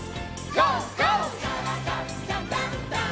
「からだダンダンダン」